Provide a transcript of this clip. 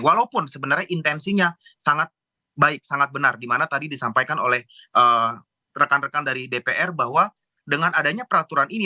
walaupun sebenarnya intensinya sangat baik sangat benar di mana tadi disampaikan oleh rekan rekan dari dpr bahwa dengan adanya peraturan ini